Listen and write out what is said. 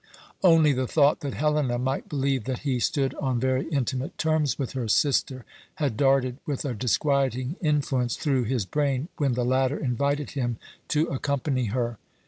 Only the thought that Helena might believe that he stood on very intimate terms with her sister had darted with a disquieting influence through his brain when the latter invited him to accompany her.